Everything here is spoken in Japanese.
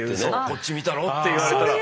「こっち見たろ」って言われたら。